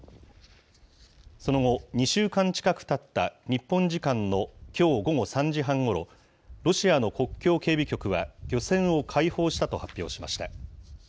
その後、２週間近くたった、日本時間のきょう午後３時半ごろ、ロシアの国境警備局は漁船を解放したと発表しました。